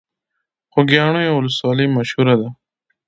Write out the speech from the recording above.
خوږیاڼیو ولسوالۍ مشهوره ده؟